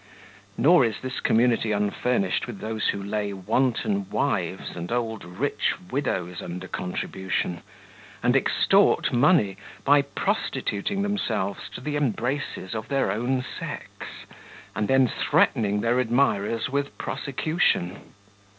Nor is this community unfurnished with those who lay wanton wives and old rich widows under contribution, and extort money, by prostituting themselves to the embraces of their own sex, and then threatening their admirers with prosecution.